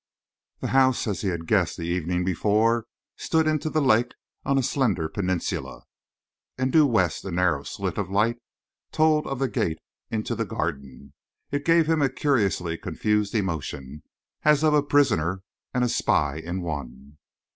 The house, as he had guessed the evening before, stood into the lake on a slender peninsula. And due west a narrow slit of light told of the gate into the Garden. It gave him a curiously confused emotion, as of a prisoner and spy in one.